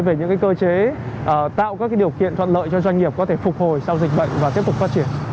về những cơ chế tạo các điều kiện thuận lợi cho doanh nghiệp có thể phục hồi sau dịch bệnh và tiếp tục phát triển